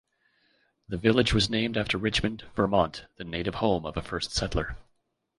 The village was named after Richmond, Vermont, the native home of a first settler.